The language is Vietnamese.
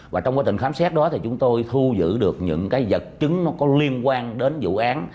và trong quá trình khám xét đó thì chúng tôi thu giữ được những cái vật chứng nó có liên quan đến vụ án